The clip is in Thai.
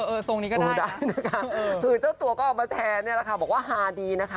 ทรงนี้ก็ได้นะคะคือเจ้าตัวก็ออกมาแชร์เนี่ยแหละค่ะบอกว่าฮาดีนะคะ